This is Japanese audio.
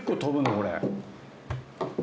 これ。